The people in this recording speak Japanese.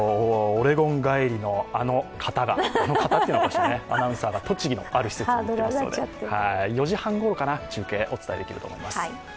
オレゴン帰りのあの方が、あの方というのはおかしいね、アナウンサーが栃木のある施設に行っていますので、４時半ごろかな、中継お伝えできると思います。